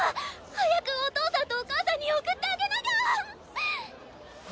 早くお父さんとお母さんに送ってあげなきゃ！